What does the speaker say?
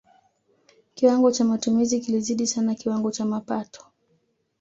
kiwango cha matumizi kilizidi sana kiwango cha mapato